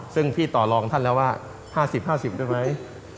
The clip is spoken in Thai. ซึ่งพี่ต่อลองท่านแล้วว่าห้าสิบห้าสิบเป็นไหม